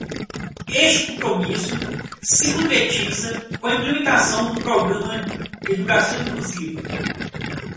Este compromisso se concretiza com a implementação do Programa Educação Inclusiva